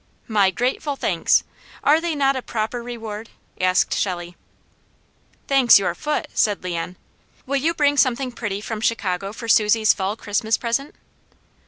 "My grateful thanks. Are they not a proper reward?" asked Shelley. "Thanks your foot!" said Leon. "Will you bring something pretty from Chicago for Susie Fall's Christmas present?"